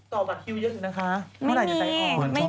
ต่อบัตรคิวเยอะหนึ่งนะคะ